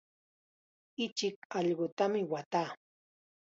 Ichik allqutam waataa.